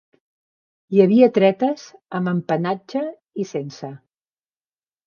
Hi havia tretes amb empenatge i sense.